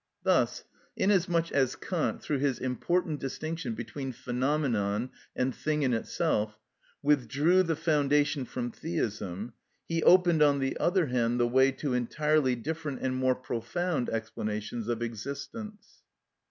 Thus, inasmuch as Kant, through his important distinction between phenomenon and thing in itself, withdrew the foundation from theism, he opened, on the other hand, the way to entirely different and more profound explanations of existence.